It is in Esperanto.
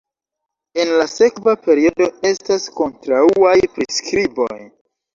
En la sekva periodo estas kontraŭaj priskriboj.